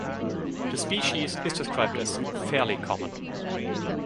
The species is described as "fairly common".